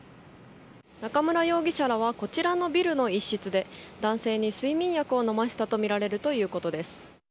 中村容疑者らはこちらのビルの一室で男性に睡眠薬を飲ませたとみられるということです。